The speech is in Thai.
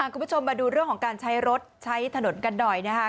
คุณผู้ชมมาดูเรื่องของการใช้รถใช้ถนนกันหน่อยนะคะ